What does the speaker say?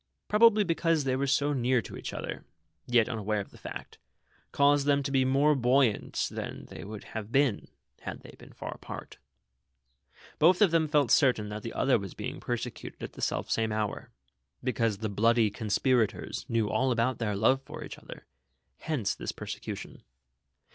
Probably because tliey were so near to each other, yet THE CONSPIRATORS AND LOVERS. 93 unaware of the fact, caused them to be more buoyant than they would have been had they been far apart. Both of them felt certain that the other was being per secuted at the selfsame hour ; because the Moody conspira tors knew all about their love for each other, hence this persecution.